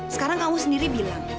sekarang kamu sendiri bilang